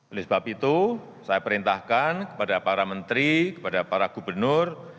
oleh sebab itu saya perintahkan kepada para menteri kepada para gubernur